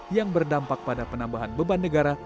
yang berdampak pada penambahan beban negara